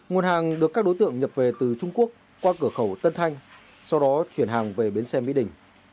các hàng được các đối tượng nhập về từ trung quốc qua cửa khẩu tân thanh sau đó chuyển hàng về bến xem mỹ đình